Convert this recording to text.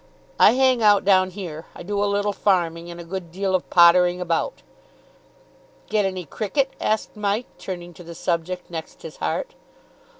"I hang out down here. I do a little farming and a good deal of pottering about." "Get any cricket?" asked Mike, turning to the subject next his heart.